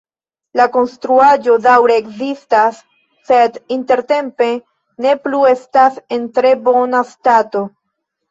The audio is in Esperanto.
La konstruaĵo daŭre ekzistas, sed intertempe ne plu estas en tre bona stato.